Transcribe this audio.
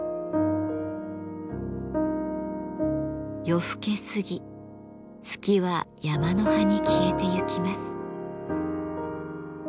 夜更け過ぎ月は山の端に消えてゆきます。